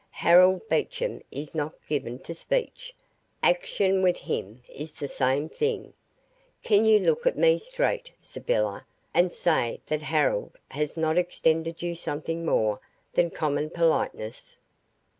Harold Beecham is not given to speech action with him is the same thing. Can you look at me straight, Sybylla, and say that Harold has not extended you something more than common politeness?"